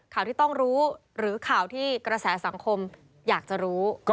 ข่าวที่ต้องรู้หรือข่าวที่กระแสสังคมอยากจะรู้